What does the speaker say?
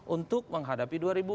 untuk menghadapi dua ribu empat